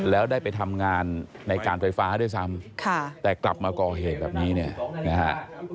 แล้วได้ไปทำงานในการไฟฟ้าด้วยซ้ำแต่กลับมาก่อเหตุแบบนี้เนี่ยนะฮะ